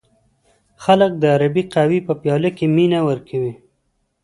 خلک د عربی قهوې په پیاله کې مینه ورکوي.